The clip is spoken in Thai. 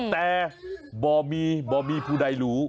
แต่บ่อมีบ่อมีผู้ใดรู้